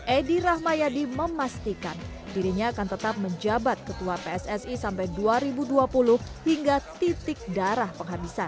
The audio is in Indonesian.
edi rahmayadi memastikan dirinya akan tetap menjabat ketua pssi sampai dua ribu dua puluh hingga titik darah penghabisan